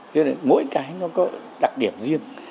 thế nên mỗi cái nó có đặc điểm riêng